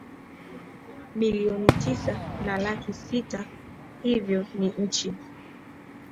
Milioni tisa na laki sita hivyo ni nchi